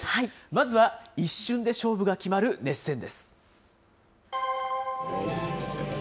まずは一瞬で勝負が決まる熱戦です。